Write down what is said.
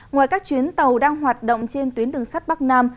ngoài các chuyến tàu đang hoạt động trên tuyến đường sắt bắc nam